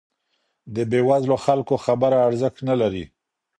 د بې وزلو خلګو خبره ارزښت نه لري.